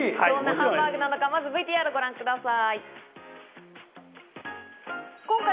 そんなハンバーグなのか、まずＶＴＲをご覧ください。